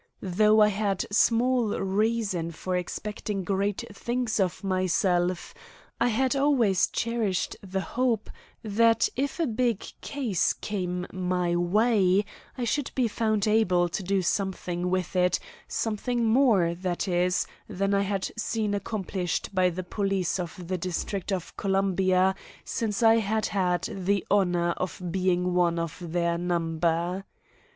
Though I had small reason for expecting great things of myself, I had always cherished the hope that if a big case came my way I should be found able to do something with it something more, that is, than I had seen accomplished by the police of the District of Columbia since I had had the honor of being one of their number.